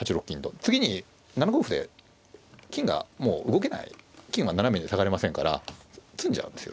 次に７五歩で金がもう動けない金は斜めに下がれませんから詰んじゃうんですよ